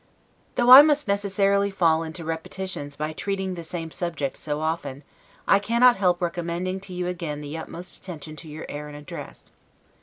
Though I must necessarily fall into repetitions by treating the same subject so often, I cannot help recommending to you again the utmost attention to your air and address.